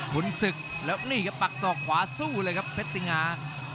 บุญศึกแล้วนี่ครับปักศอกขวาสู้เลยครับเพชรสิงหา